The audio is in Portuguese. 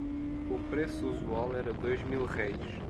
O preço usual era dois mil-réis.